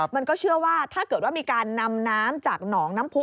มันก็เชื่อว่าถ้าเกิดว่ามีการนำน้ำจากหนองน้ำผู้